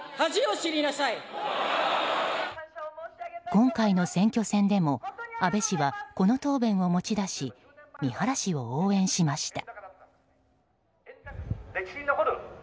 今回の選挙戦でも安倍氏はこの答弁を持ち出し三原氏を応援しました。